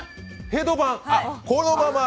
ヘドバン。